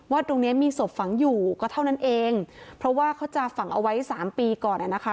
ตรงเนี้ยมีศพฝังอยู่ก็เท่านั้นเองเพราะว่าเขาจะฝังเอาไว้สามปีก่อนอ่ะนะคะ